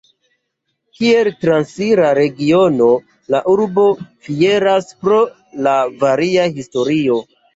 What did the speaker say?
Kiel transira regiono la urbo fieras pro la varia historio.